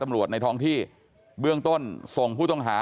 ในท้องที่เบื้องต้นส่งผู้ต้องหา